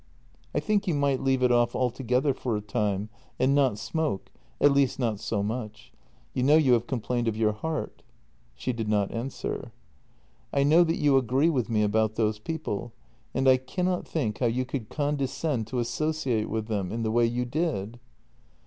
" I think you might leave it off altogether for a time, and not smoke — at least not so much. You know you have com plained of your heart." She did not answer. " I know that you agree with me about those people, and I cannot think how you could condescend to associate with them — in the way you did."